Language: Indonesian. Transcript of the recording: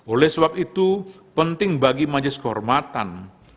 oleh sebab itu penting bagi majelis kehormatan